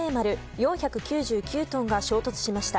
４９９トンが衝突しました。